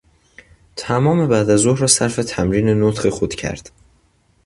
تمام بعدازظهر را صرف تمرین نطق خود کرد.